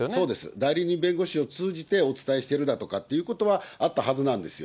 代理人弁護士を通じて、お伝えしているだとかということはあったはずなんですよ。